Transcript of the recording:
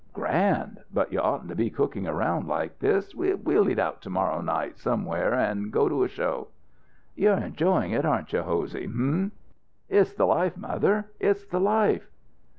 "Grand. But you oughtn't to be cooking around like this. We'll eat out to morrow night somewhere, and go to a show." "You're enjoying it, aren't you, Hosey, h'm?" "It's the life, mother! It's the life!"